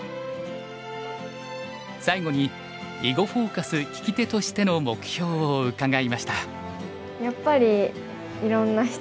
最後に「囲碁フォーカス」聞き手としての目標を伺いました。